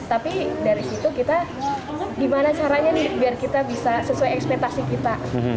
tapi dari situ kita gimana caranya nih biar kita bisa sesuai ekspektasi kita